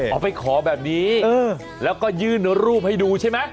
เอาไปขอแบบนี้แล้วก็ยื่นรูปให้ดูใช่ไหม